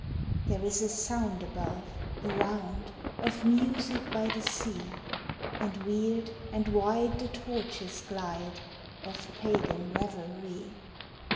There is a sound above, around Of music by the sea; And weird and wide the torches glide Of pagan revelry.